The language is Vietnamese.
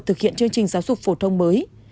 thực hiện chương trình giáo dục phổ thông mới